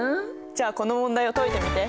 じゃあこの問題を解いてみて。